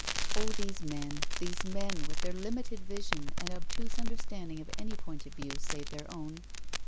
Oh, these men, these men, with their limited vision and obtuse understanding of any point of view save their own.